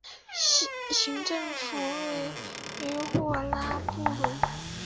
行政中心位于霍拉布伦。